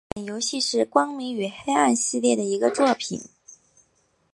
本游戏是光明与黑暗系列的一个作品。